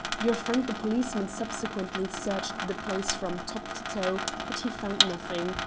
Your friend the policeman subsequently searched the place from top to toe, but he found nothing.